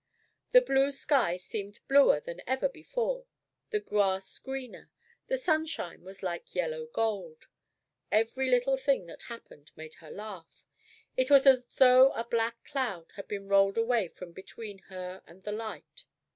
The blue sky seemed bluer than ever before, the grass greener, the sunshine was like yellow gold. Every little thing that happened made her laugh. It was as though a black cloud had been rolled away from between her and the light.